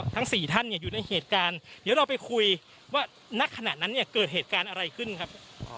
ทั้ง๔ท่านเนี่ยอยู่ในเหตุการณ์เดี๋ยวเราไปคุยว่าณขณะนั้นเนี่ยเกิดเหตุการณ์อะไรขึ้นครับ